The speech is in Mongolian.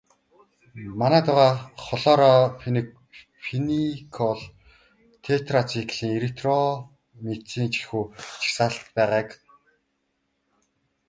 Манайд байгаа хлорамфеникол, тетрациклин, эритромицин ч энэхүү жагсаалтад байгааг албаны эх сурвалж мэдээллээ.